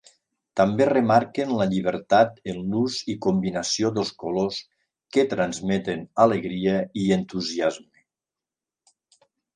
També remarquen la llibertat en l’ús i combinació dels colors que transmeten alegria i entusiasme.